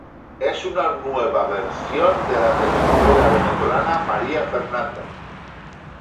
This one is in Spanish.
Es una nueva versión de la telenovela venezolana María Fernanda.